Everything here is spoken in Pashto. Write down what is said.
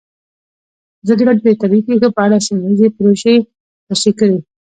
ازادي راډیو د طبیعي پېښې په اړه سیمه ییزې پروژې تشریح کړې.